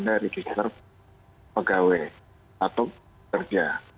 di dki ada rp pegawai atau kerja